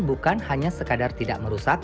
bukan hanya sekadar tidak merusak